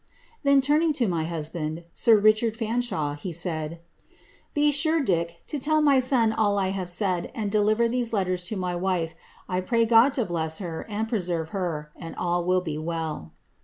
^* Then, turning to my husband, sir Richard Fanshawe, he said, ^ Be sure, Dick, to tell my son all I have said, and deliver these letten to my wife. I pray God to bless her, and preserve her, and all will be well.'